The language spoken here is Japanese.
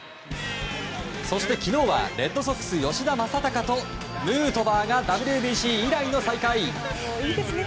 そして昨日はレッドソックス、吉田正尚とヌートバーがＷＢＣ以来の再会。